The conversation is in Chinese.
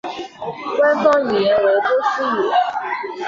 官方语言为波斯语。